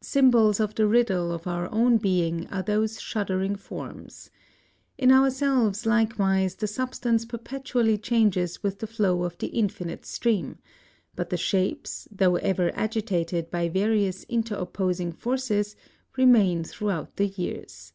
Symbols of the riddle of our own being are those shuddering forms. In ourselves likewise the substance perpetually changes with the flow of the Infinite Stream; but the shapes, though ever agitated by various inter opposing forces, remain throughout the years.